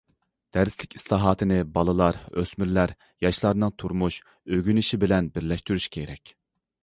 دەرسلىك ئىسلاھاتىنى بالىلار، ئۆسمۈرلەر، ياشلارنىڭ تۇرمۇش، ئۆگىنىشى بىلەن بىرلەشتۈرۈش كېرەك.